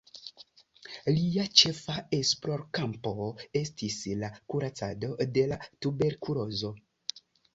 Lia ĉefa esplorkampo estis la kuracado de la tuberkulozo.